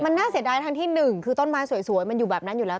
มันน่าเสียดายทั้งที่หนึ่งคือต้นไม้สวยมันอยู่แบบนั้นอยู่แล้ว